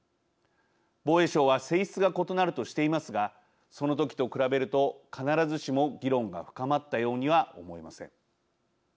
防衛省は性質が異なるとしていますがその時と比べると必ずしも議論が深まったようには思えません。